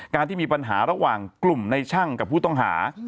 ที่มีปัญหาระหว่างกลุ่มในช่างกับผู้ต้องหา